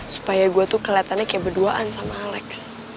supaya gue tuh kelihatannya kayak berduaan sama alex